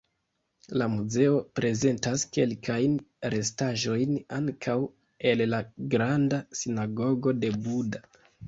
La muzeo prezentas kelkajn restaĵojn ankaŭ el la "granda sinagogo de Buda".